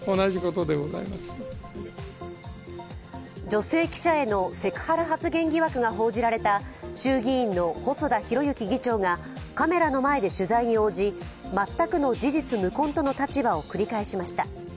女性記者へのセクハラ発言疑惑が報じられた衆議院の細田博之議長がカメラの前で取材に応じ、全くの事実無根との立場を繰り返しました。